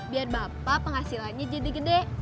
biar bapak penghasilannya jadi gede